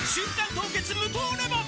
凍結無糖レモン」